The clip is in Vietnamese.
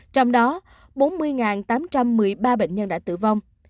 trong đó bốn mươi tám trăm một mươi ba bệnh nhân đã tử vong